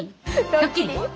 ドッキリ？